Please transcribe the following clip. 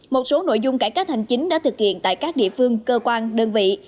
một số nội dung cải cách hành chính đã thực hiện tại các địa phương cơ quan đơn vị